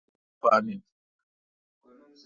مردان دا واتھ کیتیک پان این۔